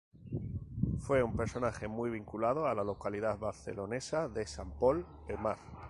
Fue un personaje muy vinculado a la localidad barcelonesa de Sant Pol de Mar.